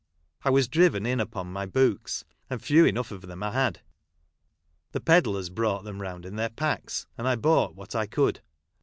I was driven in upon my books ; and few enough of them I had. The pedlars brought them round in their packs, and I bought what I could.